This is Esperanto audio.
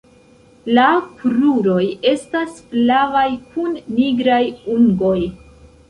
La kruroj estas flavaj kun nigraj ungoj.